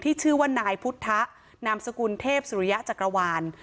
ชื่อว่านายพุทธนามสกุลเทพสุริยะจักรวาล